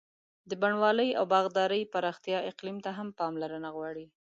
د بڼوالۍ او باغدارۍ پراختیا اقلیم ته هم پاملرنه غواړي.